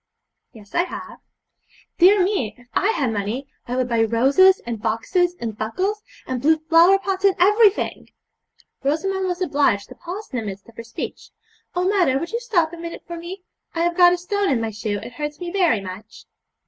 'Yes, I have.' 'Dear me! if I had money I would buy roses, and boxes, and buckles, and blue flower pots, and everything.' Rosamond was obliged to pause in the midst of her speech. 'Oh, mother, would you stop a minute for me? I have got a stone in my shoe; it hurts me very much.'